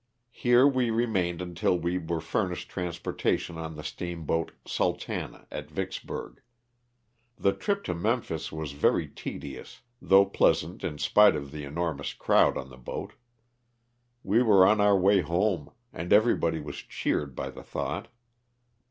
Here we remained until we were furnished transportation on the steam boat "Sultana" at Vicksburg. The trip to Memphis was very tedious, though pleasant in spite of the enor mous crowd on the boat. We were on our way home, and everybody was cheered by the thought.